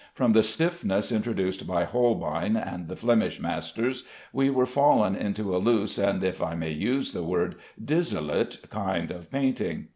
From the stiffness introduced by Holbein and the Flemish masters we were fallen into a loose and (if I may use the word) dissolute kind of painting.